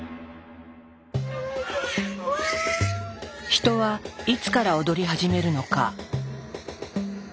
人はいつから踊り始めるのか。